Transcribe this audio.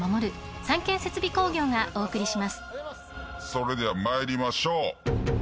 それでは参りましょう。